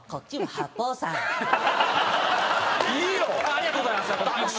ありがとうございます。